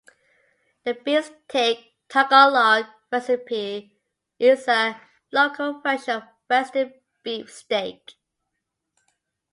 The Bistek Tagalog Recipe is a local version of western beef steak.